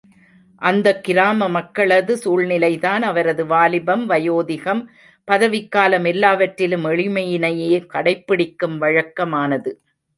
அந்தக் கிராம மக்களது சூழ்நிலைதான், அவரது வாலிபம், வயோதிகம், பதவிக்காலம் எல்லாவற்றிலும் எளிமையினையே கடைப்பிடிக்கும் வழக்கமானது.